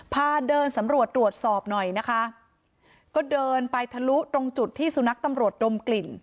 พาเดินสำรวจตรวจสอบหน่อยนะคะก็เดินไปทะลุตรงจุดที่สุนัขตำรวจดมกลิ่น